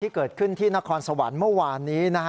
เกิดขึ้นที่นครสวรรค์เมื่อวานนี้